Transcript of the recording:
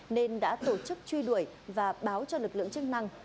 nên đã tổ chức truy đuổi và báo cho lực lượng chức năng